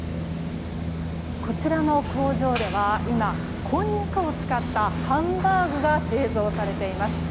こちらの工場では今こんにゃくを使ったハンバーグが製造されています。